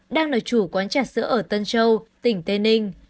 đang là chủ quán trà sữa ở tân châu tỉnh tây ninh